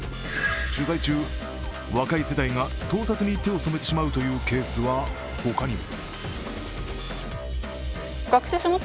取材中、若い世代が盗撮に手を染めてしまうというケースは他にも。